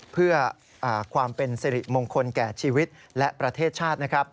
เพื่อความเป็นสิริมงคลแก่ชีวิตและประเทศชาตินะครับ